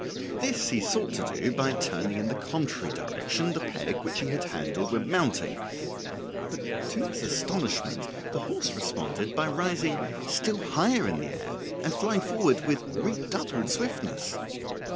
This he sought to do by turning in the contrary direction the peg which he had handled when mounting, but to his astonishment the horse responded by rising still higher in the air and flying forward with redoubled swiftness.